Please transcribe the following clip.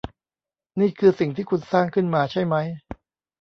นี่คือสิ่งที่คุณสร้างขึ้นมาใช่มั้ย